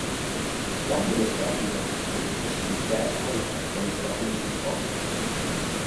Quando lo strato isolante viene messo interno rispetto allo strato di supporto.